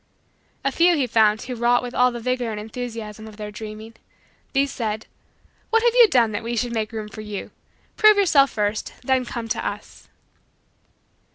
A few he found who wrought with all the vigor and enthusiasm of their dreaming. These said: "What have you done that we should make room for you? Prove yourself first then come to us."